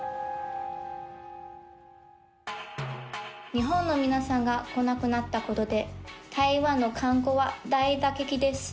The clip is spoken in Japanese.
日本の皆さんが来なくなった事で台湾の観光は大打撃です。